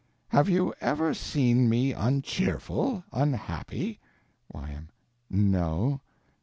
Have you ever seen me uncheerful, unhappy. Y.M. No.